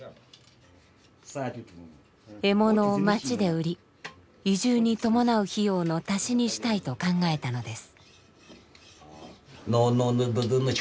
獲物を町で売り移住に伴う費用の足しにしたいと考えたのです。